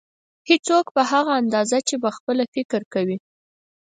هېڅوک په هغه اندازه چې پخپله فکر کوي.